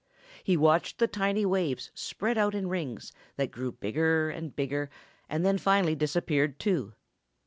He watched the tiny waves spread out in rings that grew bigger and bigger and then finally disappeared too.